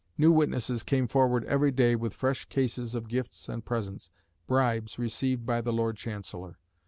New witnesses came forward every day with fresh cases of gifts and presents, "bribes" received by the Lord Chancellor.